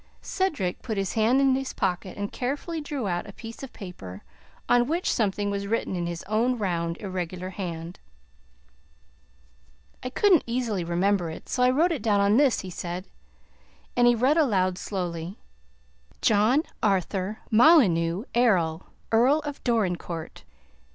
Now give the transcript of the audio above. Cedric put his hand in his pocket and carefully drew out a piece of paper, on which something was written in his own round, irregular hand. "I couldn't easily remember it, so I wrote it down on this," he said. And he read aloud slowly: "'John Arthur Molyneux Errol, Earl of Dorincourt.'